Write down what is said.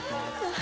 あ